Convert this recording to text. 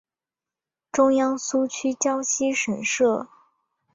中央苏区江西省设。